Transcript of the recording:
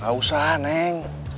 gak usah neng